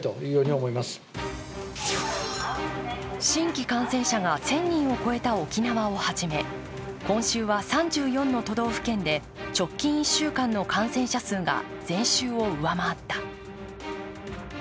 新規感染者が１０００人を超えた沖縄をはじめ今週は３４の都道府県で直近１週間の感染者数が前週を上回った。